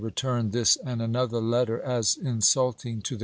returned this and another letter, as insulting to the chap.